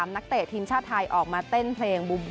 นักเตะทีมชาติไทยออกมาเต้นเพลง